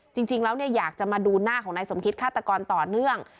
จริงแล้วอยากจะมาดูหน้าของนายสมคิตฆาตกรต่อเนื่อง